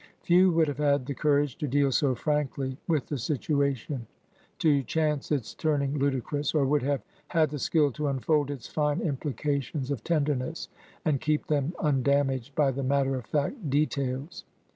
Few would have had the courage to deal so frankly with the situa tion, to chance its turning ludicrous, or would have had the skill to unfold its fine implications of tenderness, and keep them undamaged by the matter of fact de tails.